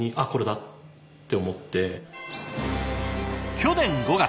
去年５月。